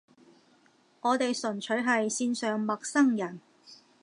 我哋純粹係線上陌生人